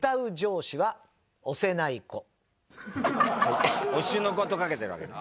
『推しの子』とかけてるわけだ。